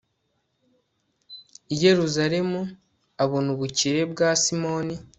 i yeruzalemu abona ubukire bwa simoni